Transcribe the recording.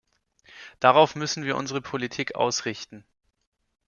Darauf müssen wir unsere Politik ausrichten.